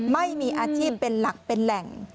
ไม่มีอาชีพเป็นหลักเป็นแหล่ง